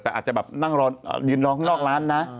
แต่อาจจะแบบนั่งยืนรอข้างนอกร้านนะ